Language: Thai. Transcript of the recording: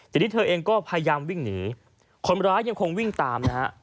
ทีนี้เธอเองก็พยายามวิ่งหนีคนร้ายยังคงวิ่งตามนะฮะ